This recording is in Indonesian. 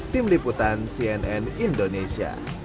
tim liputan cnn indonesia